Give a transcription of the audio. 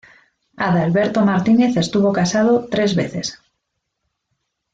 Adalberto Martínez estuvo casado tres veces.